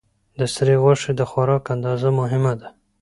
د سرې غوښې د خوراک اندازه مهمه ده.